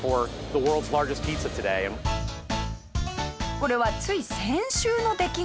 これはつい先週の出来事です。